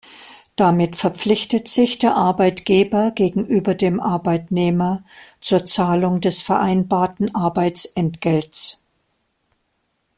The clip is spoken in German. Damit verpflichtet sich der Arbeitgeber gegenüber dem Arbeitnehmer zur Zahlung des vereinbarten Arbeitsentgelts.